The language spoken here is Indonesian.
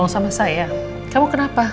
sama saya kamu kenapa